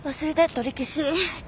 取り消し。